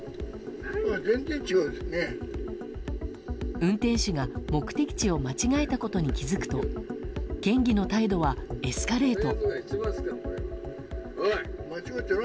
運転手が目的地を間違えたことに気づくと県議の態度はエスカレート。